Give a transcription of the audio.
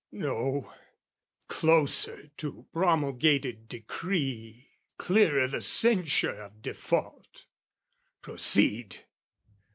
No, closer to promulgated decree, Clearer the censure of default. Proceed!